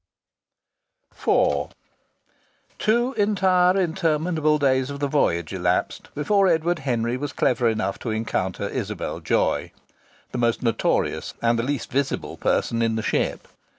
IV Two entire interminable days of the voyage elapsed before Edward Henry was clever enough to encounter Isabel Joy the most notorious and the least visible person in the ship.